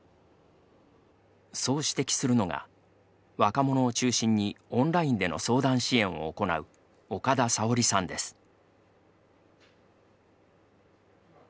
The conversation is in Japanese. そう指摘するのが若者を中心にオンラインでの相談支援を行う岡田沙織さんです。